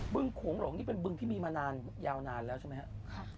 ึงโขงหลงนี่เป็นบึงที่มีมานานยาวนานแล้วใช่ไหมครับ